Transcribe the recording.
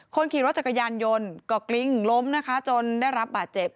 คนขี่รถจักรยานยนต์ก็กลิ้งล้มนะคะจนได้รับบาดเจ็บ